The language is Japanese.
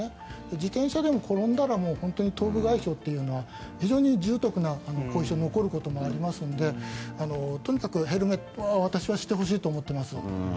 自転車でも、本当に転んだら頭部外傷というのは非常に重篤な後遺症が残ることもありますのでとにかくヘルメットは私はしてほしいと思っています。